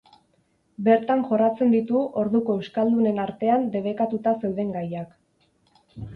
Bertan jorratzen ditu orduko euskaldunen artean debekatuta zeuden gaiak.